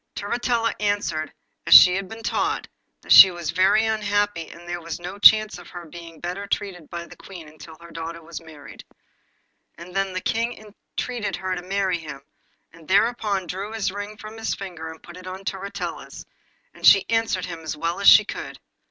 Turritella answered as she had been taught, that she was very unhappy, and that there was no chance of her being better treated by the Queen until her daughter was married. And then the King entreated her to marry him; and thereupon he drew his ring from his finger and put it upon Turritella's, and she answered him as well as she could.